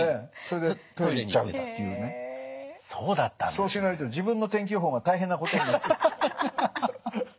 そうしないと自分の天気予報が大変なことになっちゃう。